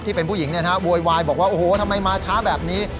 ที่เป็นผู้หญิงโวยวายบอกว่าโอ้โหทำไมมาช้าแบบนี้